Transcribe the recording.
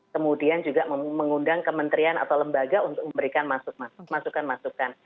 kemudian juga mengundang kementerian atau lembaga untuk memberikan masukan masukan